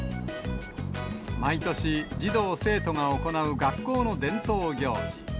毎年、児童・生徒が行う学校の伝統行事。